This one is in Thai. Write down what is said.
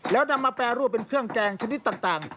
แล้วนำมาแปรรูปเป็นเครื่องแกงชนิดต่าง